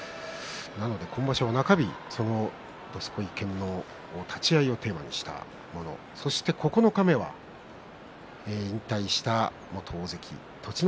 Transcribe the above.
今場所、中日「どすこい研」の立ち合いをテーマにしたそして九日目は引退した元大関栃ノ